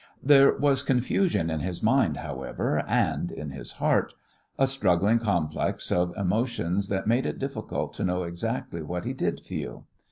There was confusion in his mind, however, and in his heart: a struggling complex of emotions that made it difficult to know exactly what he did feel.